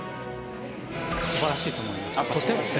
素晴らしいと思います。